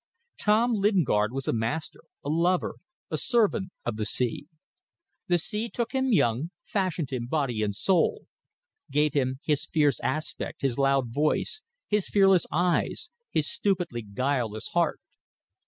Tom Lingard was a master, a lover, a servant of the sea. The sea took him young, fashioned him body and soul; gave him his fierce aspect, his loud voice, his fearless eyes, his stupidly guileless heart.